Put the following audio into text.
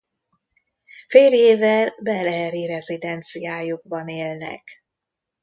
Férjével Bel air-i rezidenciájukban élnek.